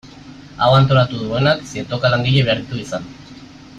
Hau antolatu duenak zientoka langile behar ditu izan.